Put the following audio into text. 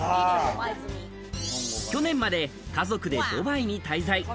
去年まで家族でドバイに滞在。